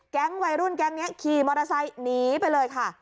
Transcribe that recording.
แก๊งวัยรุ่นแก๊งนี้ขี่มอเตอร์ไซค์หนีไปเลยค่ะ